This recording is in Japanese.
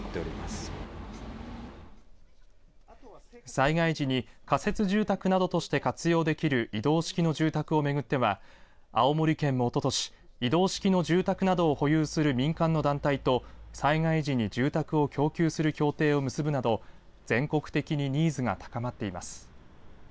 災害時に仮設住宅などとして活用できる移動式の住宅を巡っては青森県もおととし移動式の住宅などを保有する民間の団体と災害時に住宅を供給する協定を結ぶなど全国的にニーズが高まっています。